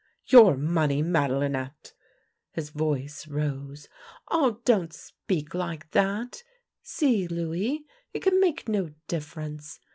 " Your money, Madelinette! " His voice rose. " Ah, don't speak like that. See, Louis. It can make no difference.